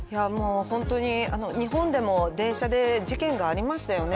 本当に日本でも電車で事件がありましたよね。